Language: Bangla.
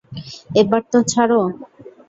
এবার তো ছাড়ো!